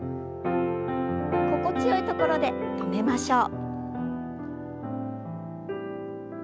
心地よいところで止めましょう。